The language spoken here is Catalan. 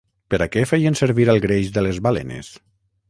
Per a què feien servir el greix de les balenes?